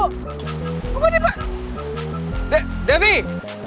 kok gak dapet